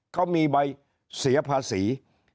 เขามีใบเสียภาษี